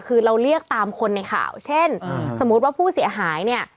คือเราเรียกตามคนในข่าวเช่นสมมุติว่าผู้เสียหายเนี่ย